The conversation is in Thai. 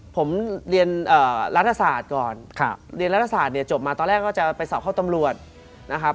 ผมเรียนรัฐศาสตร์ก่อนเรียนรัฐศาสตร์เนี่ยจบมาตอนแรกก็จะไปสอบเข้าตำรวจนะครับ